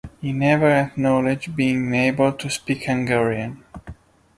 He never acknowledged being able to speak Hungarian.